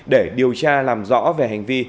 để điều tra làm rõ về hành vi